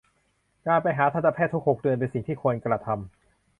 การไปหาทันตแพทย์ทุกหกเดือน เป็นสิ่งที่ควรกระทำ